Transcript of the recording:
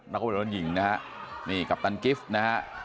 แล้วก็เป็นร้อนหญิงนะฮะนี่กัปตันกิฟต์นะฮะ